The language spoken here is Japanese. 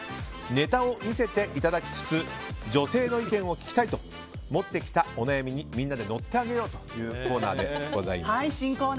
ネタを見せていただきつつ女性の意見を聞きたいと持ってきたお悩みにみんなで乗ってあげようという新コーナーです。